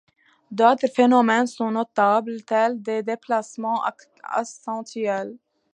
D'autres phénomènes sont notables, tels des déplacements accentuels.